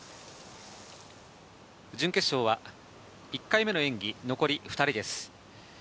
準決勝は１回目の演技、残り２人です。